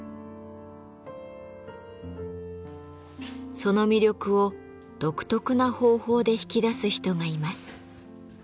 その魅力を独特な方法で引き出す人がいます。